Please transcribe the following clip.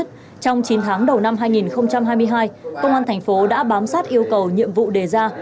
trong chín tháng đầu năm hai nghìn hai mươi hai công an thành phố đã bám sát yêu cầu nhiệm vụ đề ra